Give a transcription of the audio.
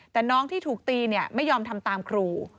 แต่น้องที่ถูกตีไม่ยอมทำตามครู